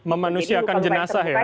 memanusiakan jenazah ya